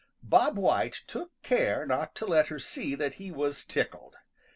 Bob White took care not to let her see that he was tickled.